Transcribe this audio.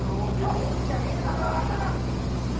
王子じゃねえだろ。